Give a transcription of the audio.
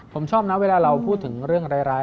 ผมชอบนะเวลาเราพูดถึงเรื่องร้าย